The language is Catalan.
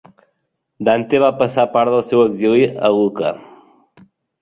Dante va passar part del seu exili a Lucca.